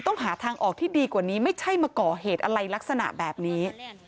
ต้องหาทางออกที่ดีกว่านี้ไม่ใช่มาก่อเหตุอะไรลักษณะแบบนี้